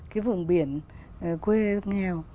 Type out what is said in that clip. cái vườn biển quê nghèo